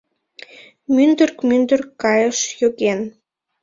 Мӱндырк-мӱндырк кайыш йоген.